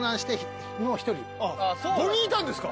５人いたんですか。